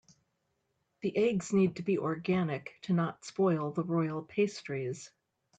The eggs need to be organic to not spoil the royal pastries.